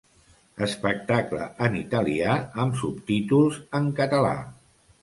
Espectacle en italià amb subtítols en català.